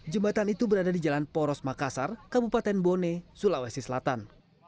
jembatan itu berada di jalan poros makassar kabupaten bone sulawesi selatan